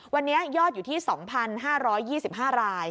วันนี้ยอดอยู่ที่๒๕๒๕ราย